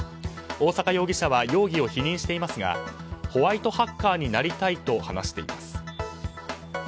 大坂容疑者は容疑を否認していましたがホワイトハッカーになりたいと話しています。